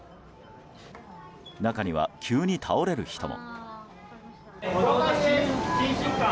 中には、急に倒れる人も。